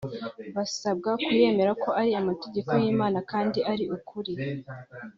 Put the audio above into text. basabwa kuyemera ko ari amategeko y’Imana kandi ari ukuri